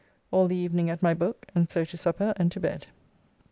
All the evening at my book, and so to supper and to bed.